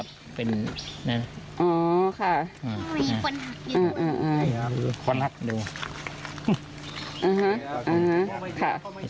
อ๋อค่ะอืมค่ะดูอืมอืมค่ะ